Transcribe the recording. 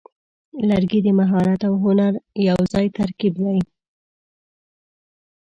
لرګی د مهارت او هنر یوځای ترکیب دی.